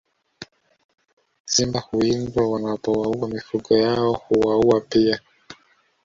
Simba huwindwa wanapowaua mifugo yao hwauwa pia